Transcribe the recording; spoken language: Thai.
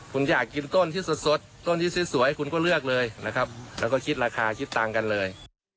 คุณอยากกินต้นที่สดต้นที่สวยคุณก็เลือกเลยนะครับแล้วก็คิดราคาคิดตังค์กันเลย